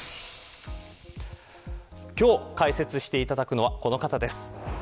今日、解説していただくのはこの方です。